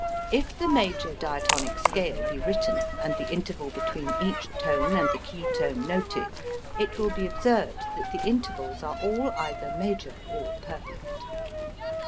If the major diatonic scale be written and the interval between each tone and the key tone noted, it will be observed that the intervals are all either major or perfect.